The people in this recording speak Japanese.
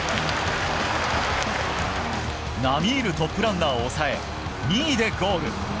並みいるトップランナーを抑え２位でゴール。